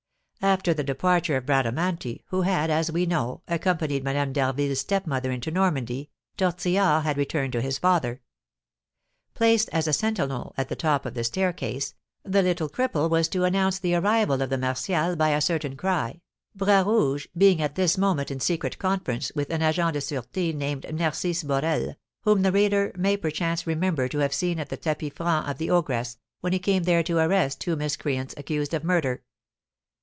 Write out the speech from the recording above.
After the departure of Bradamanti, who had, as we know, accompanied Madame d'Harville's stepmother into Normandy, Tortillard had returned to his father. Placed as a sentinel at the top of the staircase, the little cripple was to announce the arrival of the Martials by a certain cry, Bras Rouge being at this moment in secret conference with an agent de sûreté named Narcisse Borel, whom the reader may perchance remember to have seen at the tapis franc of the ogress, when he came there to arrest two miscreants accused of murder.